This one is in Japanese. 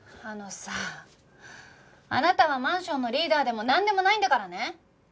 あのさあなたはマンションのリーダーでもなんでもないんだからね。